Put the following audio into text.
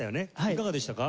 いかがでしたか？